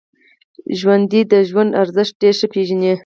ژوندي د ژوند ارزښت ډېر ښه پېژني